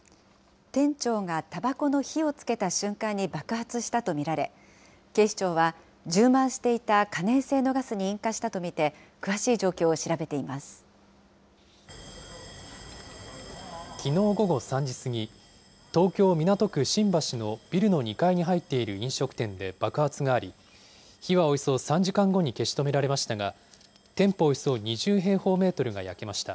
店長がたばこの火をつけた瞬間に爆発したと見られ、警視庁は充満していた可燃性のガスに引火したと見て、きのう午後３時過ぎ、東京・港区新橋のビルの２階に入っている飲食店で爆発があり、火はおよそ３時間後に消し止められましたが、店舗およそ２０平方メートルが焼けました。